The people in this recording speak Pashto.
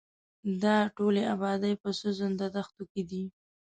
دا ټولې ابادۍ په سوځنده دښتو کې دي.